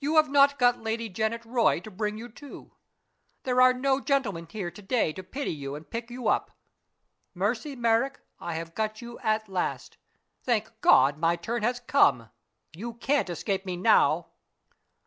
You have not got Lady Janet Roy to bring you to. There are no gentlemen here to day to pity you and pick you up. Mercy Merrick, I have got you at last. Thank God, my turn has come! You can't escape me now!"